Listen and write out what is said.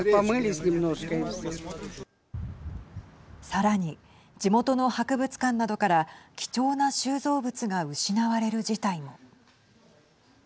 さらに、地元の博物館などから貴重な収蔵物が失われる事態も。